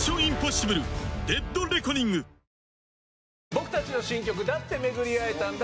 僕たちの新曲「だってめぐり逢えたんだ」